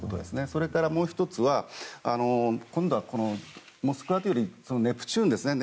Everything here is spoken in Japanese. それから、もう１つは今度は「モスクワ」というよりネプチューンですね。